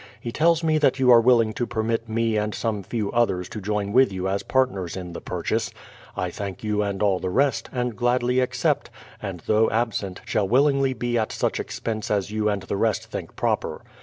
He tells me that you are willing to permit me and some few others to join with you as partners in the purchase; I thank you and all the rest, and gladly accept, and though absent, shall willingly be at such expense as you and the rest think proper.